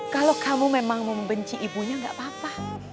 kalau kamu memang membenci ibunya nggak apa apa